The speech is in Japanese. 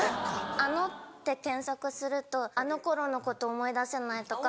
「あの」って検索すると「あの頃のこと思い出せない」とか